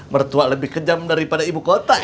mertua lebih kejam daripada ibu kota